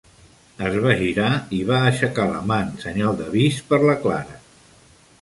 Es va girar i va aixecar la mà en senyal d'avís per la Clara.